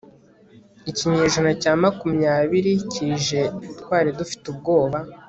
ikinyejana cya makumyabiri kije twari dufite ubwoba